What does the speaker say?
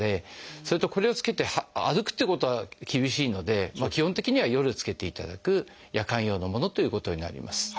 それとこれを着けて歩くっていうことは厳しいので基本的には夜着けていただく夜間用のものということになります。